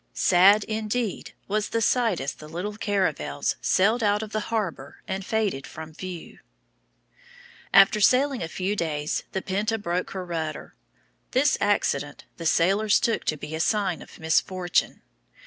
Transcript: Sad indeed was the sight as the little caravels sailed out of the harbor and faded from view. After sailing a few days, the Pinta broke her rudder. This accident the sailors took to be a sign of misfortune.